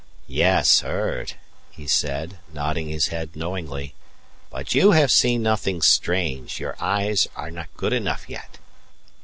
"Yes, heard," he said, nodding his head knowingly; "but you have seen nothing strange; your eyes are not good enough yet."